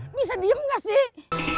bisa diem gak sih